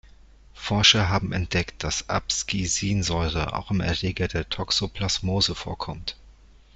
Forscher haben entdeckt, dass Abscisinsäure auch im Erreger der Toxoplasmose vorkommt.